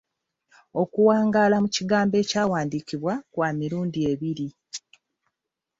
Okuwangaala mu kigambo ekyawandiikibwa kwa mirundi ebiri.